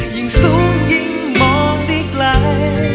ยิ่งสูงยิ่งมองได้ไกล